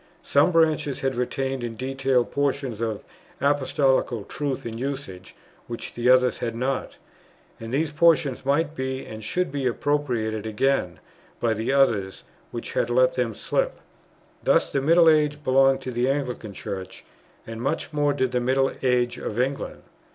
Some branches had retained in detail portions of Apostolical truth and usage, which the others had not; and these portions might be and should be appropriated again by the others which had let them slip. Thus, the middle age belonged to the Anglican Church, and much more did the middle age of England.